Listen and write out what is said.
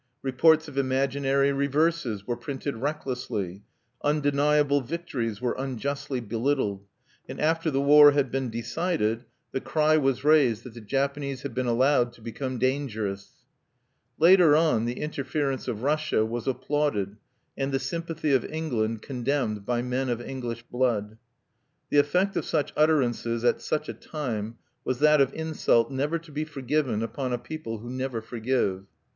Reports of imaginary reverses were printed recklessly, undeniable victories were unjustly belittled, and after the war had been decided, the cry was raised that the Japanese "had been allowed to become dangerous" Later on, the interference of Russia was applauded and the sympathy of England condemned by men of English blood. The effect of such utterances at such a time was that of insult never to be forgiven upon a people who never forgive.